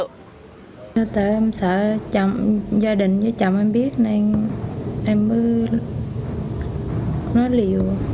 tại em sợ gia đình với chồng em biết nên em mới nói liều